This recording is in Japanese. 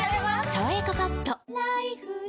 「さわやかパッド」